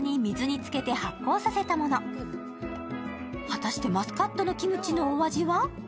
果たしてマスカットのキムチのお味は？